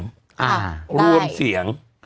อ่าได้รวมเสียง